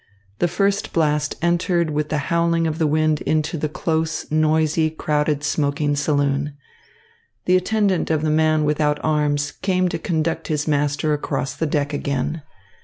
The first blast entered with the howling of the wind into the close, noisy, crowded smoking saloon. The attendant of the man without arms came to conduct his master across the deck again.